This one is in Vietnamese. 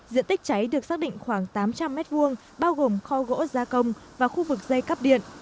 diện tích cháy được xác định khoảng tám trăm linh m hai bao gồm kho gỗ gia công và khu vực dây cắp điện